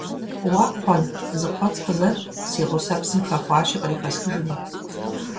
Уа Кхъуэн, зы кхъуэц къызэт, си гъусэр псым хэхуащи кърихэсхыжыну.